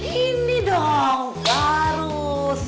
ini dong garus